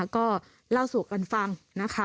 ก็เล่าสู่กันฟังนะคะ